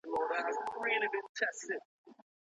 که کتابونه ستونزمن وي نو ماشوم ترې تښتي.